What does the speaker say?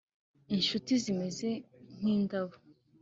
inshuti zimeze nkindab